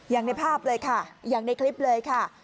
อย่างในภาพเลยค่ะอย่างในคลิปเลยค่ะ